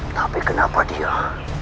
tapi kenapa dia